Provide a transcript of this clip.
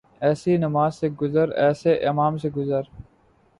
ایسی نماز سے گزر ، ایسے امام سے گزر